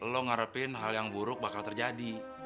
lo ngarepin hal yang buruk bakal terjadi